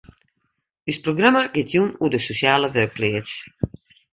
Us programma giet jûn oer de sosjale wurkpleats.